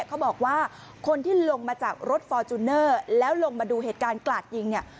เขาบอกว่าคนที่ลงมาจากรถฟอร์จูเนอร์แล้วลงมาดูเหตุการณ์กลาดยิงเนี่ย